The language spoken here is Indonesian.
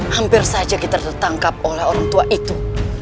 hampir saja kita tertangkap oleh orang tua itu